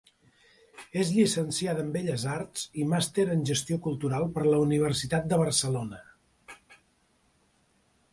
És llicenciada en Belles Arts i màster en Gestió Cultural per la Universitat de Barcelona.